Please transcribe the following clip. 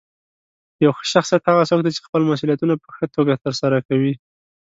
یو ښه شخصیت هغه څوک دی چې خپل مسؤلیتونه په ښه توګه ترسره کوي.